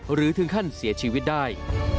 หรือถึงขั้นเสียชีวิตได้